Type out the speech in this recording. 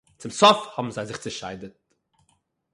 צום סוף האָבן זיי זיך צעשיידעט